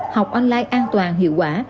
học online an toàn hiệu quả